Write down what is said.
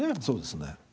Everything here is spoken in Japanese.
そうですね。